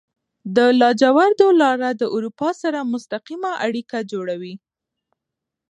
د لاجوردو لاره د اروپا سره مستقیمه اړیکه جوړوي.